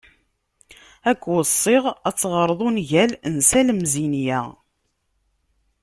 Ad k-weṣṣiɣ ad teɣreḍ ungal n Salem Zenya.